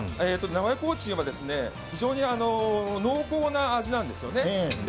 名古屋コーチンは非常に濃厚な味なんですよね。